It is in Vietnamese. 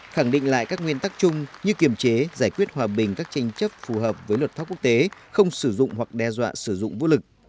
khẳng định lại các nguyên tắc chung như kiềm chế giải quyết hòa bình các tranh chấp phù hợp với luật pháp quốc tế không sử dụng hoặc đe dọa sử dụng vũ lực